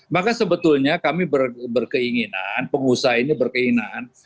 maka sebetulnya kami berkeinginan pengusaha ini berkeinginan